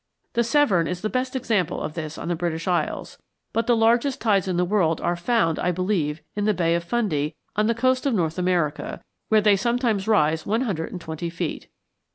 The Severn is the best example of this on the British Isles; but the largest tides in the world are found, I believe, in the Bay of Fundy, on the coast of North America, where they sometimes rise one hundred and twenty feet.